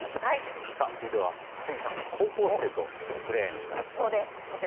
続いては杉さんが高校生と触れ合いました。